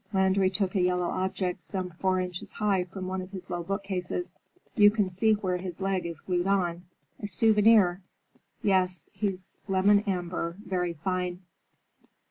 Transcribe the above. Landry took a yellow object some four inches high from one of his low bookcases. "You can see where his leg is glued on,—a souvenir. Yes, he's lemon amber, very fine."